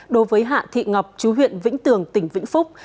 đối với hạ thị ngọc chú huyện vĩnh tường tỉnh vĩnh phúc